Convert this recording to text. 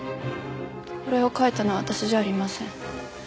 これを描いたのは私じゃありません。